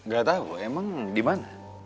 gatau emang dimana